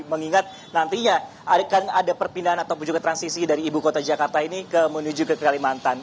mengingat nantinya akan ada perpindahan ataupun juga transisi dari ibu kota jakarta ini menuju ke kalimantan